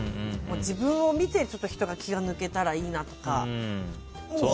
自分を見て人が、気が抜けたらいいなとか。